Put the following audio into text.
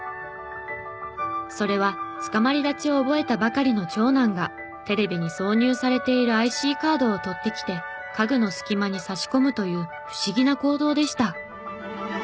それはつかまり立ちを覚えたばかりの長男がテレビに挿入されているＩＣカードを取ってきて家具の隙間に差し込むという不思議な行動でした。